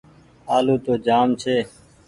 آلو تو جآم ڇي۔